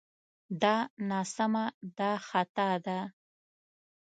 دا ناسمه دا خطا ده